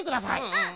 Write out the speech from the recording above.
うん！